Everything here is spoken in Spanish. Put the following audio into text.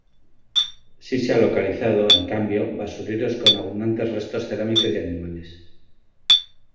Si se ha localizado, en cambio, basureros con abundantes restos cerámicos y animales.